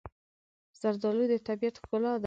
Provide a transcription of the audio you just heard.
زردالو د طبیعت ښکلا ده.